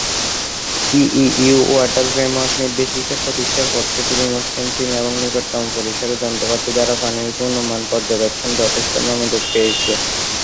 EU water framework নির্দেশিকা প্রতিষ্ঠার পর থেকে রিমোট সেন্সিং এবং নিকটতম পরিসরের যন্ত্রপাতি দ্বারা পানির গুণমান পর্যবেক্ষণ যথেষ্ট মনোযোগ পেয়েছে।